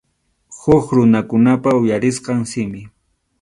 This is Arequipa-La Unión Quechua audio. Huk runakunapa uyarisqan simi.